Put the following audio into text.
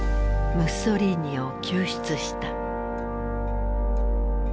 ムッソリーニを救出した。